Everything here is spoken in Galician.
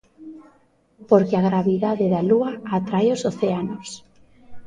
Porque a gravidade da lúa atrae os océanos.